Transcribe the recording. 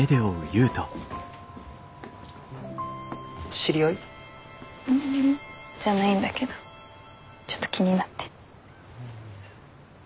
知り合い？じゃないんだけどちょっと気になって。